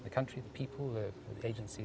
tentang tempat negara orang agensi